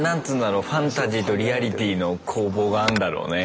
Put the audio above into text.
ファンタジーとリアリティーの攻防があんだろうね。